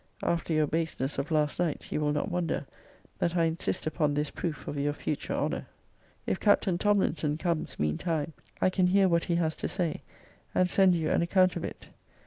After your baseness of last night, you will not wonder, that I insist upon this proof of your future honour. If Captain Tomlinson comes mean time, I can hear what he has to say, and send you an account of it.